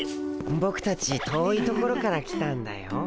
ボクたち遠い所から来たんだよ。